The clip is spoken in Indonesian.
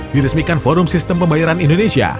diresmikan forum sistem pembayaran indonesia